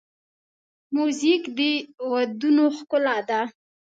موزیک د ودونو ښکلا ده.